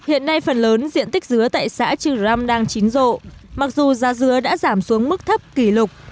hiện nay phần lớn diện tích dứa tại xã trường râm đang chín rộ mặc dù gia dứa đã giảm xuống mức thấp kỷ lục